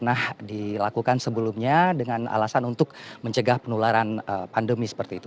pernah dilakukan sebelumnya dengan alasan untuk mencegah penularan pandemi seperti itu